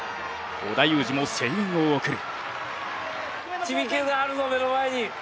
織田裕二も声援を送る。